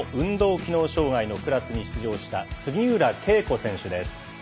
機能障がいのクラスに出場した杉浦佳子選手です。